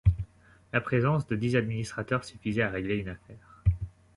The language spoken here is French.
La présence de dix administrateurs suffisait à régler une affaire.